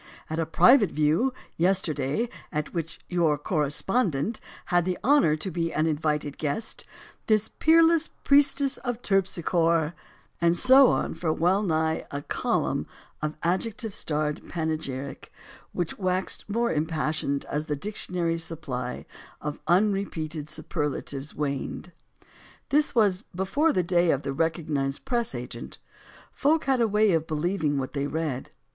"At a private view, yesterday, at which your cor respondent had the honor to be an invited guest, this peerless priestess of Terpsichore And so on for well nigh a column of adjective starred panegyric, which waxed more impassioned as the dictionary's supply of unrepeated superlatives waned. This was before the day of the recognized press agent. Folk had a way of believing what they read.